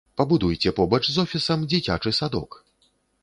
Пабудуйце побач з офісам дзіцячы садок.